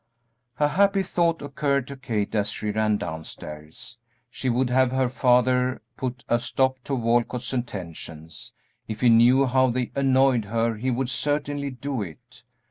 A happy thought occurred to Kate as she ran downstairs, she would have her father put a stop to Walcott's attentions; if he knew how they annoyed her he would certainly do it.